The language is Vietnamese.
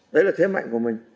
đấy là thế mạnh của mình